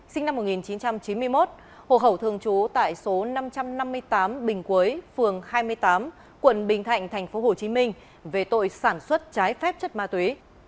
sinh năm một nghìn chín trăm chín mươi một hồ hậu thường trú tại số năm trăm năm mươi tám bình quế phường hai mươi tám quận bình thạnh tp hcm về tội sản xuất trái phép chất ma túy